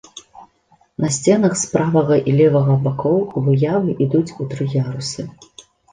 На сценах з правага і левага бакоў выявы ідуць у тры ярусы.